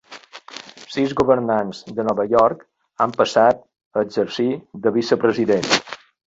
Sis governants de Nova York han passat a exercir de vicepresident.